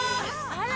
あら！